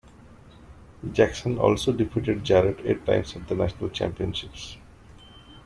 Jackson also defeated Jarrett eight times at the national championships.